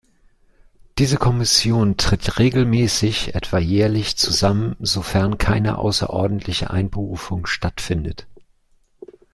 Diese Kommission tritt regelmäßig, etwa jährlich, zusammen, sofern keine außerordentliche Einberufung stattfindet.